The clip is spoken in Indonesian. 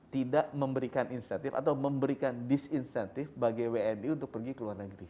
tidak memberikan insentif atau memberikan disinsentif bagi wni untuk pergi ke luar negeri